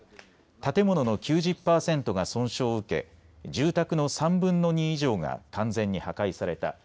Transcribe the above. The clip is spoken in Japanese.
建物の９０％が損傷を受け住宅の３分の２以上が完全に破壊された。